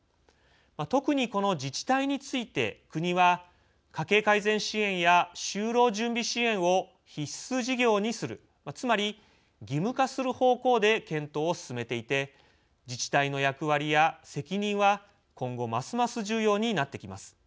特に、この自治体について国は家計改善支援や就労準備支援を必須事業にするつまり、義務化する方向で検討を進めていて自治体の役割や責任は今後ますます重要になってきます。